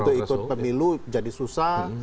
untuk ikut pemilu jadi susah